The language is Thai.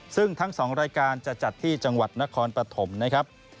ซึ่งทั้ง๒รายการจะจัดที่จังหวัดนครปฐมนะครับ